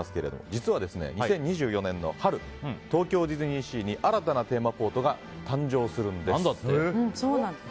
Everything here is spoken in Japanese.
実は、２０２４年春東京ディズニーシーに新たなテーマポートが誕生するんです。